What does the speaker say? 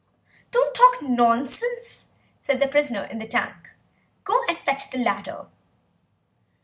"Don't talk nonsense," said the prisoner in the tank; "go and fetch the ladder."